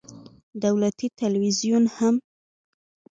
دولتي ټلویزیون هم